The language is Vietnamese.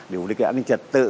điều liên kết an ninh trật tự